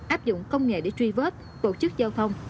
áp dụng công nghệ để truy vết tổ chức giao thông